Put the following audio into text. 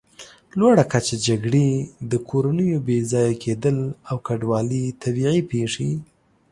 لوړه کچه، جګړې، د کورنیو بېځایه کېدل او کډوالي، طبیعي پېښې